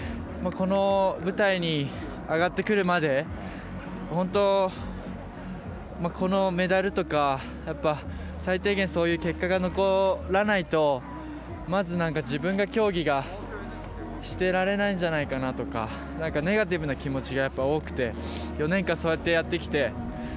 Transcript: この舞台に上がってくるまで本当、このメダルとかやっぱ、最低限そういう結果が残らないとまず自分が競技がしてられないんじゃないかなとかネガティブな気持ちが多くて４年間、そうやってやってきて。